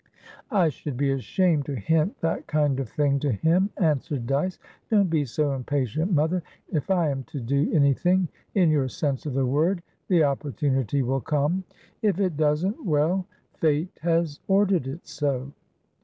"I should be ashamed to hint that kind of thing to him," answered Dyce. "Don't be so impatient, mother. If I am to do anythingin your sense of the word the opportunity will come. If it doesn't, well, fate has ordered it so."